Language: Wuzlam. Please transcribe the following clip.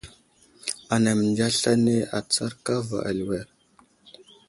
Anaŋ məndiya aslane atsar kava aliwer.